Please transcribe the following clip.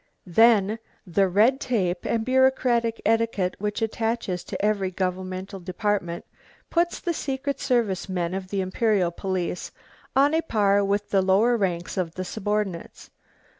Then, the red tape and bureaucratic etiquette which attaches to every governmental department, puts the secret service men of the Imperial police on a par with the lower ranks of the subordinates.